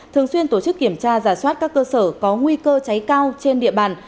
thường xuyên tổ chức kiểm tra giả soát các cơ sở có nguy cơ cháy cao trên địa bàn